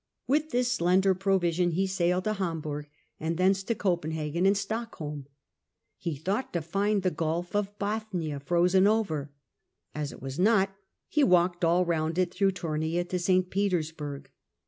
With this slender provision he sailed to Hamburg, and thence to Copenhagen and Stockholm. He thought to find the Gulf of Bothnia frozen over ; as it was not, he walked all round it, through Tomea to St. Petersburg.